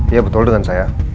iya betul dengan saya